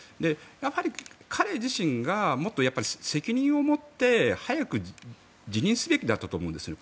やはり彼自身がもっと責任を持って早く辞任すべきだったと思うんですよね。